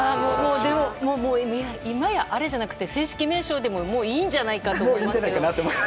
でも、今やアレじゃなくて正式名称でももう、いいんじゃないかと思いますけど。